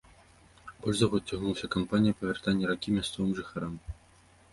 Больш за год цягнулася кампанія па вяртанні ракі мясцовым жыхарам.